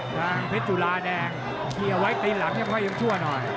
เพชรจุราแดงเอาไว้ตีนหลังก็ยังชั่วหน่อย